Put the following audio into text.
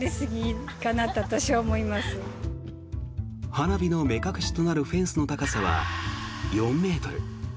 花火の目隠しとなるフェンスの高さは４ｍ。